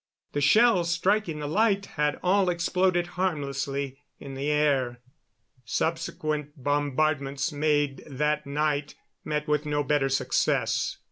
The shells striking the light had all exploded harmlessly in the air. Subsequent bombardments made that night met with no better success.